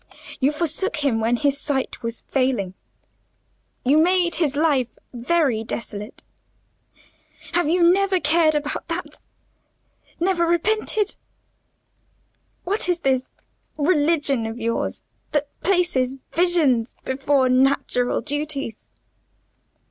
You forsook him when his sight was failing; you made his life very desolate. Have you never cared about that? never repented? What is this religion of yours, that places visions before natural duties?"